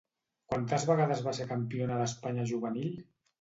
Quantes vegades va ser campiona d'Espanya juvenil?